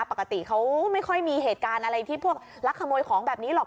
ปกติเขาไม่ค่อยมีเหตุการณ์อะไรที่พวกลักขโมยของแบบนี้หรอก